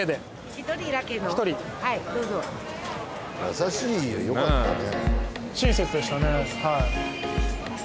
１人優しいよよかったね